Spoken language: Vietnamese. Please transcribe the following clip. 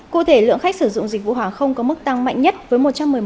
cụ thể lượng khách sử dụng dịch vụ hàng không có mức tăng mạnh nhất với một trăm một mươi một